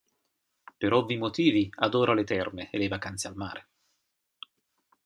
Per ovvi motivi adora le terme e le vacanze al mare.